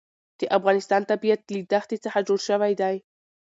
د افغانستان طبیعت له دښتې څخه جوړ شوی دی.